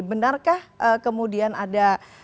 benarkah kemudian ada